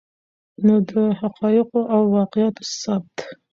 نو د حقایقو او واقعاتو ثبت